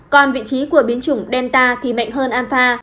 còn vị trí của biến chủng delta thì mạnh hơn ana